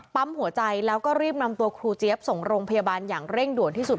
ปั๊มหัวใจแล้วก็รีบนำตัวครูเจี๊ยบส่งโรงพยาบาลอย่างเร่งด่วนที่สุด